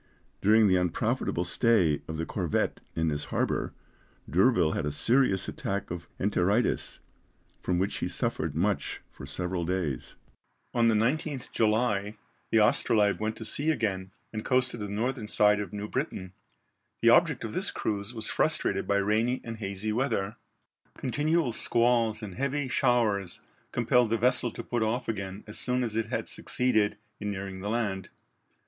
During the unprofitable stay of the corvette in this harbour, D'Urville had a serious attack of enteritis, from which he suffered much for several days. On the 19th July the Astrolabe went to sea again and coasted the northern side of New Britain, the object of this cruise was frustrated by rainy and hazy weather. Continual squalls and heavy showers compelled the vessel to put off again as soon as it had succeeded in nearing the land.